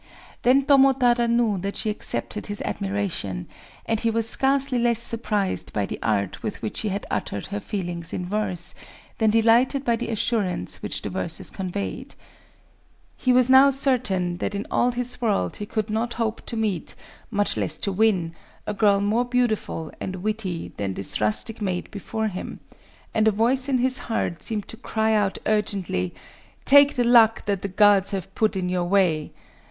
_"] Then Tomotada knew that she accepted his admiration; and he was scarcely less surprised by the art with which she had uttered her feelings in verse, than delighted by the assurance which the verses conveyed. He was now certain that in all this world he could not hope to meet, much less to win, a girl more beautiful and witty than this rustic maid before him; and a voice in his heart seemed to cry out urgently, "Take the luck that the gods have put in your way!"